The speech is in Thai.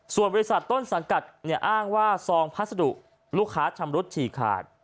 ส่วนบริษัทต้นสังกัดอ้างว่าซองพัสดุลูกค้าชำรุดฉี่ขาด